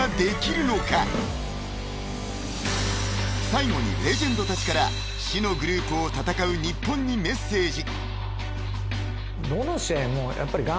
［最後にレジェンドたちから死のグループを戦う日本にメッセージ］